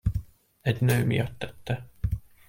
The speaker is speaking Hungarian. Egy nő miatt tette.